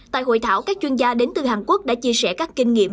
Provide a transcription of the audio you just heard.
tại hội thảo các chuyên gia đến từ hàn quốc đã chia sẻ các kinh nghiệm